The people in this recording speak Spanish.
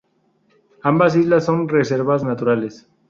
Ambas islas son reservas naturales.